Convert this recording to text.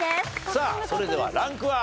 さあそれではランクは？